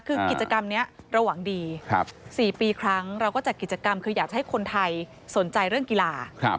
คือกิจกรรมนี้เราหวังดี๔ปีครั้งเราก็จัดกิจกรรมคืออยากจะให้คนไทยสนใจเรื่องกีฬา